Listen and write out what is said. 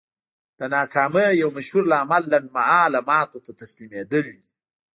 د ناکامۍ يو مشهور لامل لنډ مهاله ماتو ته تسليمېدل دي.